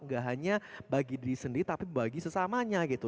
gak hanya bagi diri sendiri tapi bagi sesamanya gitu